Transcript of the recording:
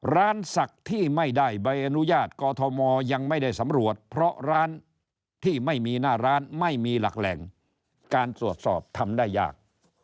ร้านศักดิ์ที่ไม่ได้ใบอนุญาตกอทมยังไม่ได้สำรวจเพราะร้านที่ไม่มีหน้าร้านไม่มีหลักแหล่งการตรวจสอบทำได้ยาก